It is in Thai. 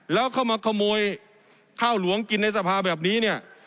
แล้วเข้ามาขโมยข้าวหลวงกินในสภาแบบนี้เนี่ย